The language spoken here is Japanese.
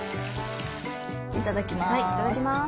いただきます。